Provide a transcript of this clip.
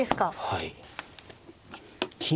はい。